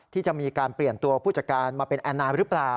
ที่จะมีการเปลี่ยนตัวผู้จัดการมาเป็นแอนนาหรือเปล่า